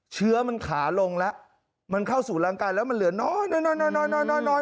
เชื้อมันขาลงแล้วมันเข้าสู่ร่างกายแล้วมันเหลือน้อยน้อย